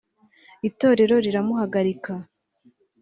itorero riramuhagarika